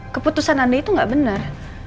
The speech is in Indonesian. keputusan anda itu gak bener